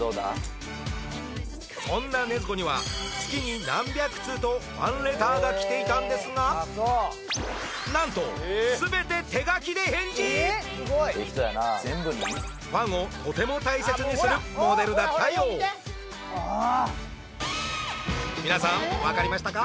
そんな禰豆子には月に何百通とファンレターが来ていたんですがなんとファンをとても大切にするモデルだったよう皆さんわかりましたか？